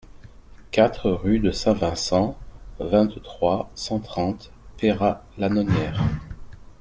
quatre rue de Saint-Vincent, vingt-trois, cent trente, Peyrat-la-Nonière